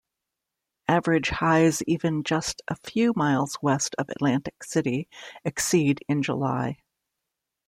Average highs even just a few miles west of Atlantic City exceed in July.